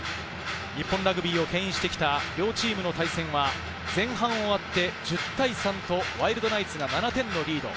日本ラグビーをけん引してきた両チームの対戦は、前半終わって１０対３とワイルドナイツが７点のリード。